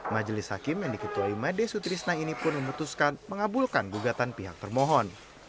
majelis hakim yang diketuai made sutrisna ini pun memutuskan mengabulkan gugatan pihak termohon